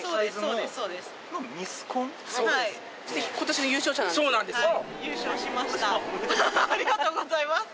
おめでとうございます。